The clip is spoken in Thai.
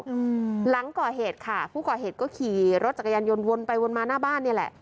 อืมหลังก่อเหตุค่ะผู้ก่อเหตุก็ขี่รถจักรยานยนต์วนไปวนมาหน้าบ้านนี่แหละ